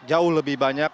jauh lebih banyak